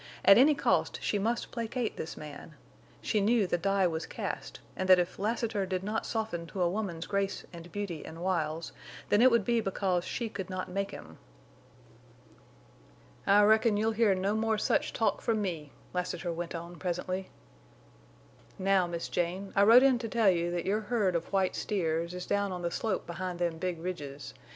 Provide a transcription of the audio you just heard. At any cost she must placate this man; she knew the die was cast, and that if Lassiter did not soften to a woman's grace and beauty and wiles, then it would be because she could not make him. "I reckon you'll hear no more such talk from me," Lassiter went on, presently. "Now, Miss Jane, I rode in to tell you that your herd of white steers is down on the slope behind them big ridges.